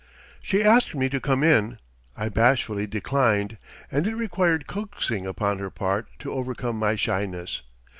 She asked me to come in; I bashfully declined and it required coaxing upon her part to overcome my shyness.